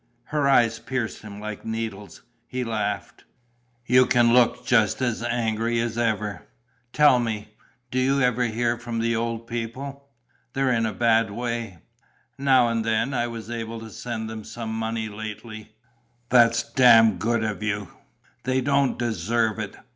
Her eyes pierced him like needles. He laughed: "You can look just as angry as ever.... Tell me, do you ever hear from the old people? They're in a bad way." "Now and then. I was able to send them some money lately." "That's damned good of you. They don't deserve it.